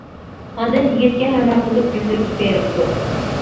ئاندىن يىگىتكە ھەمراھ بولۇپ گۈللۈككە بېرىپتۇ.